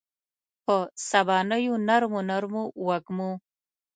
په سبانیو نرمو، نرمو وږمو